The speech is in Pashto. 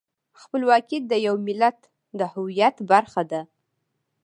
خپلواکي د یو ملت د هویت برخه ده.